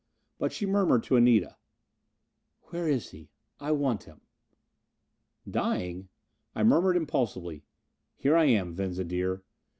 But she murmured to Anita. "Where is he? I want him." Dying? I murmured impulsively, "Here I am, Venza dear."